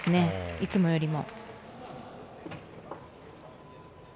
いつもよりも。